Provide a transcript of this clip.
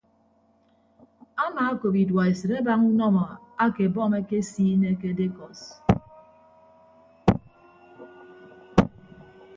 Amaakop iduọesịt abaña unọmọ ake bọmb ekesiine ke dekọs.